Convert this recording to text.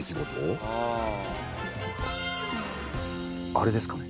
あれですかね？